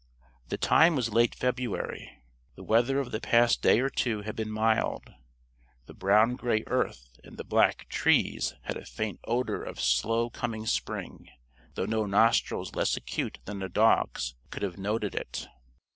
The time was late February. The weather of the past day or two had been mild. The brown gray earth and the black trees had a faint odor of slow coming spring, though no nostrils less acute than a dog's could have noted it.